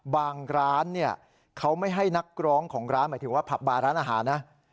ร้านเนี่ยเขาไม่ให้นักร้องของร้านหมายถึงว่าผับบาร์ร้านอาหารนะ